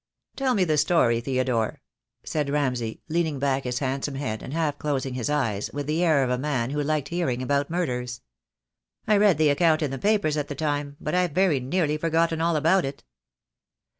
"Tell me the story, Theodore," said Ramsay, leaning back his handsome head, and half closing his eyes, with the air of a man who liked hearing about murders. "I read the account in the papers at the time, but I've very nearly forgotten all about it."